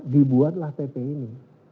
dibuatlah pp ini